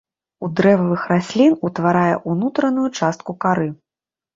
У дрэвавых раслін утварае ўнутраную частку кары.